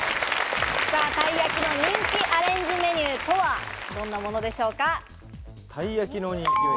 たい焼きの人気アレンジメニューとはどんなものでしょうか？